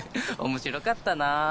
おもしろかったな。